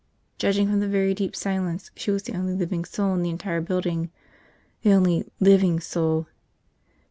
Judging from the very deep silence she was the only living soul in the entire building. The only living soul